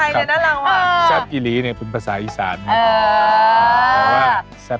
กับเชฟกระทะแซ็บ